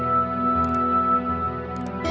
aku mau bantuin